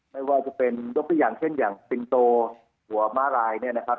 ไม่ว่าจะเป็นยกตัวอย่างเช่นอย่างปิงโตหัวม้าลายเนี่ยนะครับ